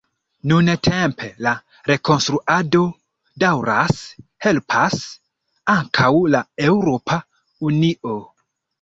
Nuntempe la rekonstruado daŭras, helpas ankaŭ la Eŭropa Unio.